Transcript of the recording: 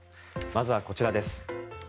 まずはこちらです。